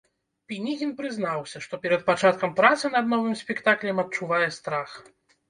Пінігін прызнаўся, што перад пачаткам працы над новым спектаклем адчувае страх.